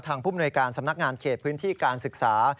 ผู้มนวยการสำนักงานเขตพื้นที่การศึกษา